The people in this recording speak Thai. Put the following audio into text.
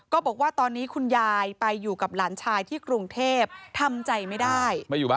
บอกว่าตอนนี้คุณยายไปอยู่กับหลานชายที่กรุงเทพทำใจไม่ได้